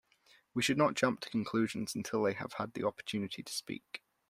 We should not jump to conclusions until they have had the opportunity to speak.